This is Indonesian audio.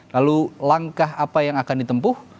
lalu langkah apa yang akan ditempuh